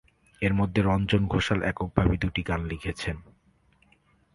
এর মধ্যে রঞ্জন ঘোষাল এককভাবে দুটি গান লিখেছেন।